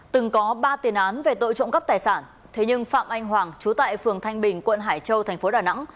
từng có ba tiền án về tội trộm cấp tài sản thế nhưng phạm anh hoàng trú tại phường thanh bình quận hải châu tp đà nẵng